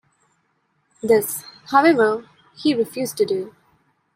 This, however, he refused to do.